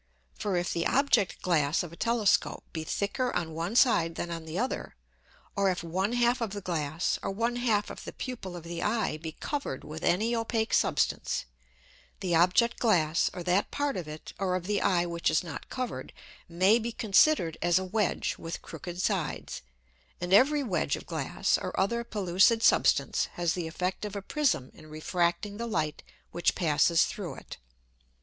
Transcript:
For if the Object glass of a Telescope be thicker on one side than on the other, or if one half of the Glass, or one half of the Pupil of the Eye be cover'd with any opake substance; the Object glass, or that part of it or of the Eye which is not cover'd, may be consider'd as a Wedge with crooked Sides, and every Wedge of Glass or other pellucid Substance has the effect of a Prism in refracting the Light which passes through it.